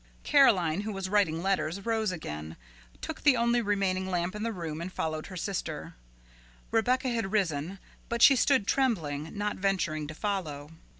Caroline, who was writing letters, rose again, took the only remaining lamp in the room, and followed her sister. Rebecca had risen, but she stood trembling, not venturing to follow.